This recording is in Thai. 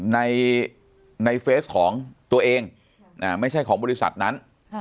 ในเฟสของตัวเองไม่ใช่ของบริษัทนั้น